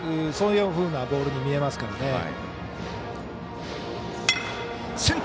そういうふうなボールに見えますからね。